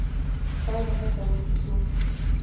چای به هلته وڅښو.